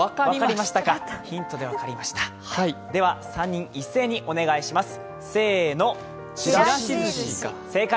３人一斉にお願いします。